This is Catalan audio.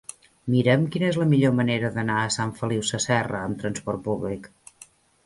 Mira'm quina és la millor manera d'anar a Sant Feliu Sasserra amb trasport públic.